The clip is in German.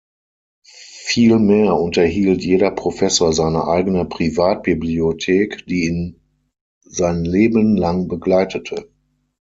Vielmehr unterhielt jeder Professor seine eigene Privatbibliothek, die ihn sein Leben lang begleitete.